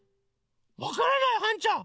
わからないはんちゃん！